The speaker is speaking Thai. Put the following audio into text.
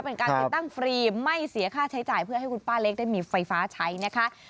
เป็นการติดตั้งฟรีไม่เสียค่าใช้จ่ายเพื่อให้คุณป้าเล็กได้มีไฟฟ้าใช้นะคะ